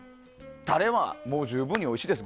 タレはもう、十分においしいです。